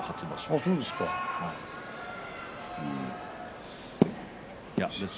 そうですか。